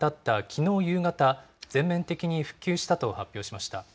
きのう夕方、全面的に復旧したと発表しました。